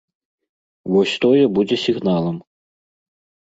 Вось тое будзе сігналам.